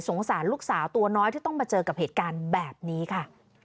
สารลูกสาวตัวน้อยที่ต้องมาเจอกับเหตุการณ์แบบนี้ค่ะ